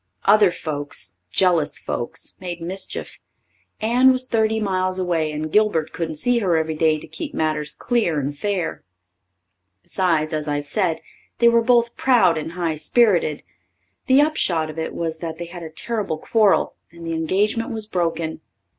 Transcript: Other folks jealous folks made mischief. Anne was thirty miles away and Gilbert couldn't see her every day to keep matters clear and fair. Besides, as I've said, they were both proud and high sperrited. The upshot of it was they had a terrible quarrel and the engagement was broken.